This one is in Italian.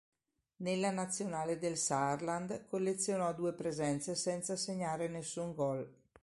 Nella nazionale del Saarland collezionò due presenze senza segnare nessun gol.